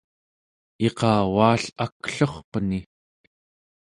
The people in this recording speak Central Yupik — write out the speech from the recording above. iqavaa-ll’ aklurpeni.